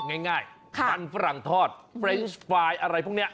ง่ายง่ายค่ะมันฝรั่งทอดอะไรพวกเนี้ย